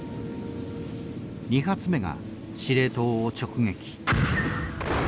２発目が司令塔を直撃。